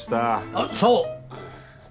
あっそう！